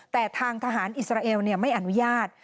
แต่ทางทหารอิสราเอลไม่อนุญาต